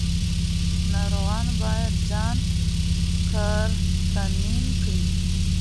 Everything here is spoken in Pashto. ناروغان باید ځان قرنطین کړي.